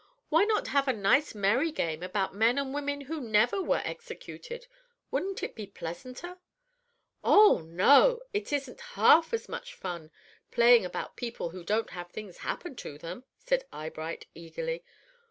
Why not have a nice merry game about men and women who never were executed? Wouldn't it be pleasanter?" "Oh, no! It isn't half as much fun playing about people who don't have things happen to them," said Eyebright, eagerly.